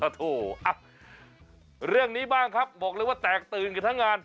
โถอ่ะเรื่องนี้บ้างครับบอกเลยว่าแตกตื่นกันทั้งงาน